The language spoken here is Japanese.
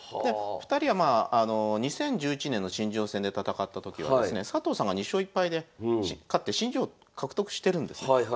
２人はまあ２０１１年の新人王戦で戦った時はですね佐藤さんが２勝１敗で勝って新人王獲得してるんですね。